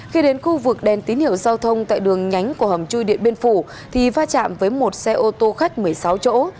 khi đến khu vực đèn tín hiệu giao thông tại đường nhánh của hầm chui điện biên phủ thì va chạm với một xe ô tô khách một mươi sáu chỗ